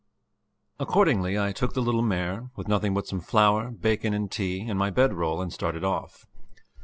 Accordingly I took the little mare, with nothing but some flour, bacon, and tea, and my bed roll, and started off.